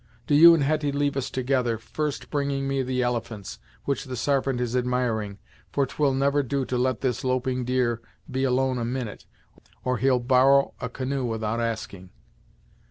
Do you and Hetty leave us together, first bringing me the elephants, which the Sarpent is admiring, for 'twill never do to let this loping deer be alone a minute, or he'll borrow a canoe without asking."